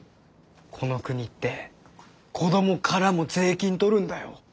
この国って子どもからも税金取るんだよ。